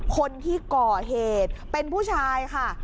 คนที่ก่อเหตุเป็นผู้ชายค่ะ